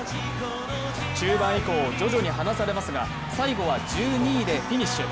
中盤以降、徐々に離されますが、最後は１２位でフィニッシュ。